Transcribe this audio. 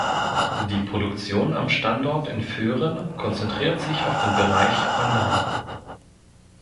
Die Produktion am Standort in Föhren konzentriert sich auf den Bereich „Online“.